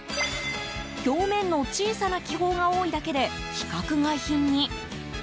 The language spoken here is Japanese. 表面の小さな気泡が多いだけで規格外品に。